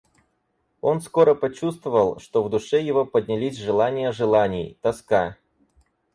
Он скоро почувствовал, что в душе его поднялись желания желаний, тоска.